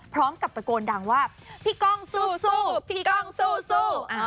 พร้อมกับตะโกนดังว่าพี่ก้องสู้พี่ก้องสู้